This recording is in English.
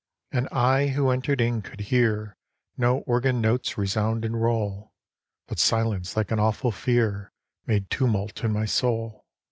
IV And I, who entered in, could hear No organ notes resound and roll, But silence, like an awful fear, Made tumult in my soul.